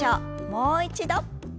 もう一度。